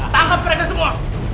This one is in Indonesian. tangkap mereka semua